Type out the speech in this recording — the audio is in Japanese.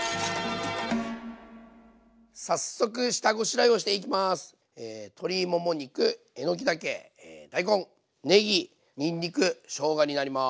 早速下ごしらえをしていきます。